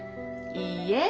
いいえ。